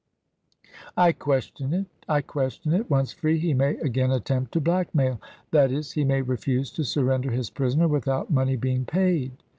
"I question it I question it. Once free, he may again attempt to blackmail that is, he may refuse to surrender his prisoner without money being paid."